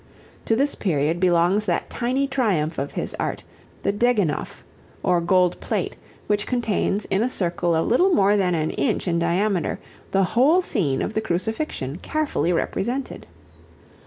To this period belongs that tiny triumph of his art, the "Degennoph," or gold plate, which contains in a circle of little more than an inch in diameter the whole scene of the Crucifixion carefully represented.